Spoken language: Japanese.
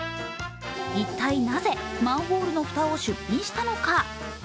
一体なぜマンホールの蓋を出品したのか。